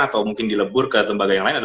atau mungkin dilebur ke tembaga yang lain